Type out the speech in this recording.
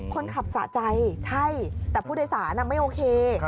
สะใจใช่แต่ผู้โดยสารไม่โอเค